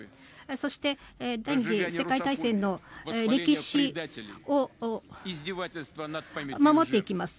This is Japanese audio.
そして第２次世界大戦の歴史を守っていきます。